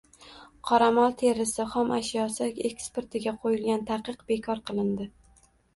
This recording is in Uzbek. Qoramol terisi xom ashyosi eksportiga qo‘yilgan taqiq bekor qilindi